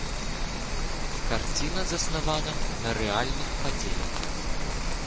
Карціна заснавана на рэальных падзеях.